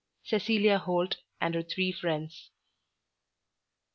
CECILIA HOLT AND HER THREE FRIENDS.